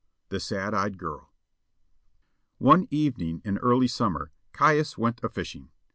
THE SAD EYED CHILD. One evening in early summer Caius went a fishing.